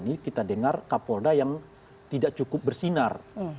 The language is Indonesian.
kita tidak mendengar kapolda yang tidak cukup bersinar